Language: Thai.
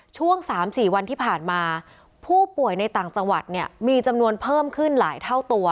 ช่วง๓๔วันที่ผ่านมาผู้ป่วยในต่างจังหวัดเนี่ยมีจำนวนเพิ่มขึ้นหลายเท่าตัว